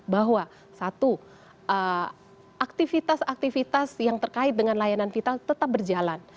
bahwa satu aktivitas aktivitas yang terkait dengan layanan vital tetap berjalan